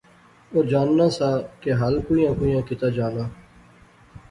او جاننا سا کہ ہل کوئیاں کوئیاں کیتا جانا